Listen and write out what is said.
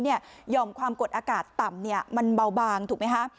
ยอมความกดอากาศต่ำมันเบาบางถูกไหมคะ